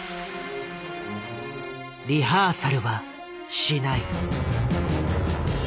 「リハーサルはしない」。